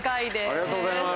ありがとうございます。